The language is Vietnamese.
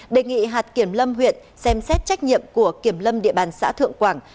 đề nghị hạt kiểm lâm huyện xem xét trách nhiệm của kiểm lâm địa bàn xã thượng quảng